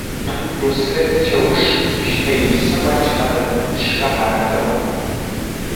Нусреҭ Чауш ушьҭа иԥсы маҷханы дышкаҳара дыҟан.